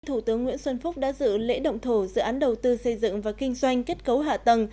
thủ tướng nguyễn xuân phúc đã dự lễ động thổ dự án đầu tư xây dựng và kinh doanh kết cấu hạ tầng